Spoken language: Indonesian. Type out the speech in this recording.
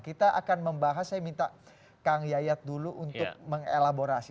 kita akan membahas saya minta kang yayat dulu untuk mengelaborasi